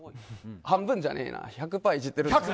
半分じゃないな１００％いじってるんですよ。